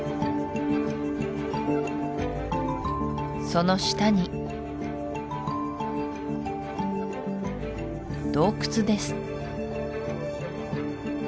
その下に洞窟です